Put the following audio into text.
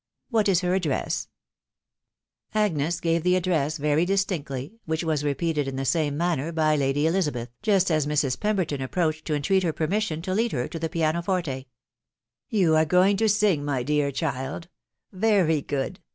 What is her address ?■" Agnes gave me address very distinctly, which was repeated in tile same manner by Lady Elizabeth, yarn* as Mrs. Pern berften approached to entreat her permission to lead her to tike eiano ftrte. m You are going to sing, my dear child f Very good.